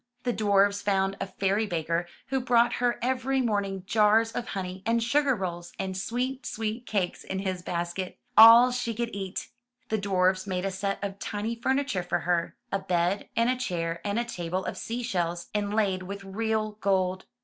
The dwarfs found a fairy baker who brought her every morning jars of honey, and sugar rolls, and sweet, sweet cakes in his basket — all she could eat. The dwarfs made a set of tiny furniture for her, a bed and a chair and a table of sea shells, inlaid with real gold.